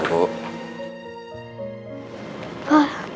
wah bagus banget